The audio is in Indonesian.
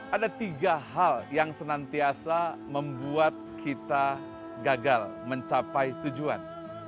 ada tiga hal yang senantiasa membuat kita gagal mencapai tujuan